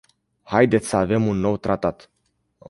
Haideți să avem un nou tratat.